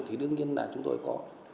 thì đương nhiên là chúng tôi có